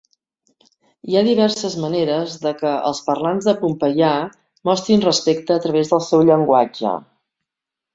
Hi ha diverses maneres de que els parlants de pohnpeià mostrin respecte a través del seu llenguatge.